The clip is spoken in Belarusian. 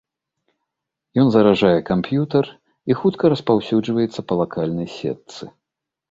Ён заражае камп'ютар і хутка распаўсюджваецца па лакальнай сетцы.